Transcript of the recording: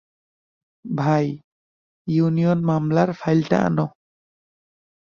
ভাই, ইউনিয়ন মামলার ফাইলটা আনো।